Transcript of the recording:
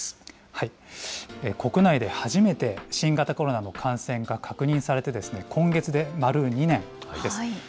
国内で初めて新型コロナの感染が確認されて、今月で丸２年です。